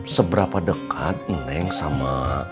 seberapa dekat neng sama